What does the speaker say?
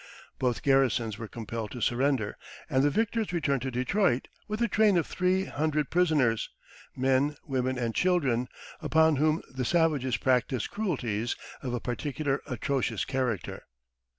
Both garrisons were compelled to surrender, and the victors returned to Detroit with a train of three hundred prisoners men, women, and children upon whom the savages practised cruelties of a particularly atrocious character.